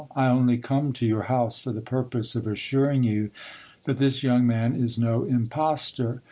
I only come to your house for the purpose of assuring you that this young man is no impostor.